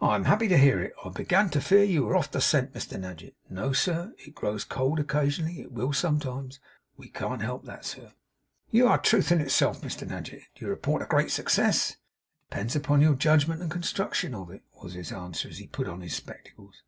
'I am happy to hear it. I began to fear you were off the scent, Mr Nadgett.' 'No, sir. It grows cold occasionally. It will sometimes. We can't help that.' 'You are truth itself, Mr Nadgett. Do you report a great success?' 'That depends upon your judgment and construction of it,' was his answer, as he put on his spectacles.